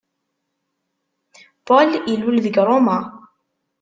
Paul ilul deg Roma.